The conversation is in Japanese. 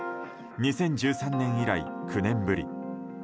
２０１３年以来９年ぶり。